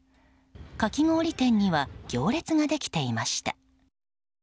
かき氷店には行列ができていました。